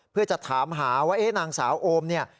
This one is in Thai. เพื่อจะถามหาว่านางสาวโอมเนี่ย